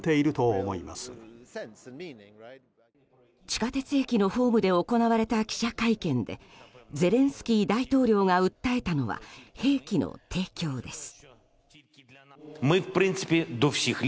地下鉄駅のホームで行われた記者会見でゼレンスキー大統領が訴えたのは兵器の提供です。